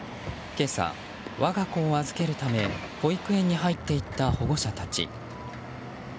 今朝、我が子を預けるため保育園に入っていった保護者たち。